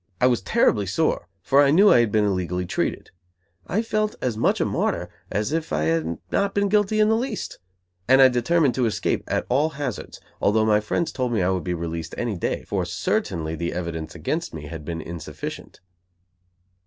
I was terribly sore, for I knew I had been illegally treated. I felt as much a martyr as if I had not been guilty in the least; and I determined to escape at all hazards; although my friends told me I would be released any day; for certainly the evidence against me had been insufficient.